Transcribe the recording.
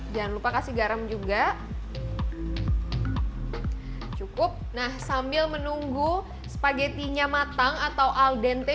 jangan lupa kasih garam juga cukup nah sambil menunggu spagettinya matang atau al dente